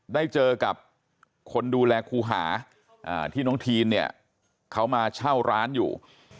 ได้เจอกับคนดูแลครูหาที่น้องทีนเนี่ยเขามาเช่าร้านอยู่